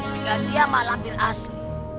jika dia mak lampir asli